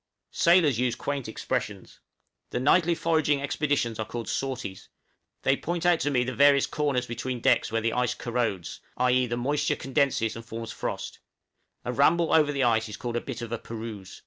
Sailors use quaint expressions. The nightly foraging expeditions are called "sorties;" they point out to me the various corners between decks where the "ice corrodes," i.e., the moisture condenses and forms frost; a ramble over the ice is called "a bit of a peruse."